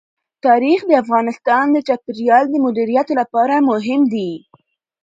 تاریخ د افغانستان د چاپیریال د مدیریت لپاره مهم دي.